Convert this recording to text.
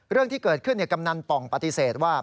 เรื่องที่เกิดขึ้นกำนันป่องปฏิเสธว่า